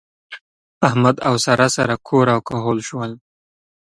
احمد او سارا سره کور او کهول شول.